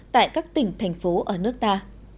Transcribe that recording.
tại các tỉnh thành phố ở nước ta